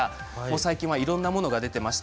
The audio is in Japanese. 最近はいろんなものが出ています。